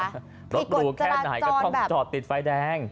รถหรูแค่ไหนก็ต้องจอดติดไฟแดง